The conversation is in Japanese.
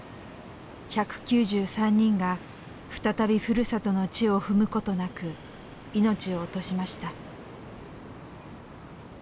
１９３人が再びふるさとの地を踏むことなく命を落としました。